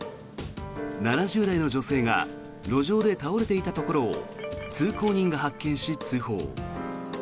７０代の女性が路上で倒れていたところを通行人が発見し通報。